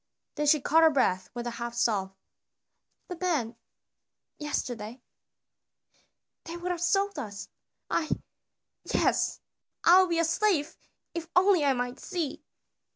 Then she caught her breath with a half sob. "The men yesterday they would have sold us. I yes, I would be a slave if only I might see!"